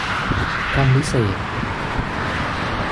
คำวิเศษณ์